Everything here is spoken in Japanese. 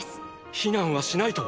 避難はしないと？